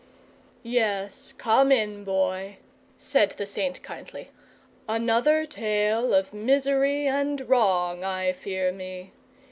"Yes, come in, Boy," said the Saint kindly. "Another tale of misery and wrong, I fear me.